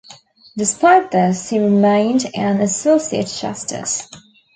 Despite this, he remained an associate justice.